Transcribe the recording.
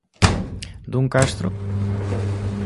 Dun castro?